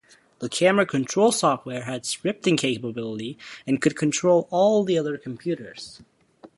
The camera control software had scripting capability and could control all the other computers.